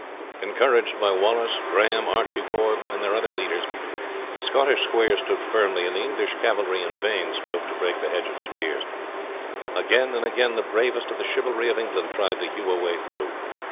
Encouraged by Wallace, Grahame, Archie Forbes, and their other leaders, the Scottish squares stood firmly, and the English cavalry in vain strove to break the hedge of spears. Again and again the bravest of the chivalry of England tried to hew a way through.